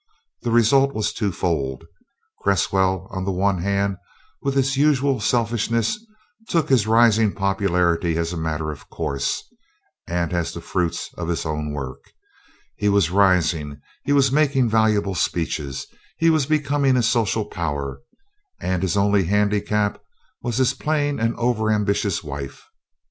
The result was two fold. Cresswell, on the one hand, with his usual selfishness, took his rising popularity as a matter of course and as the fruits of his own work; he was rising, he was making valuable speeches, he was becoming a social power, and his only handicap was his plain and over ambitious wife.